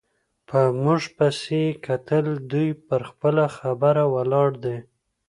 په موږ پسې یې کتل، دوی پر خپله خبره ولاړې دي.